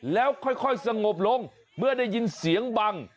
แล้วค่อยสงบลงเมื่อได้ยินเสียงบัง